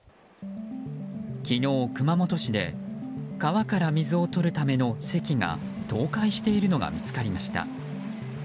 昨日、熊本市で川から水をとるための堰が倒壊しているのが見つかりました。